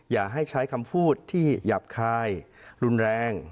อย่าให้ใช้คำพูดที่หยาบคายรุนแรง